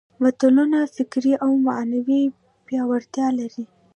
متلونه فکري او معنوي پياوړتیا لري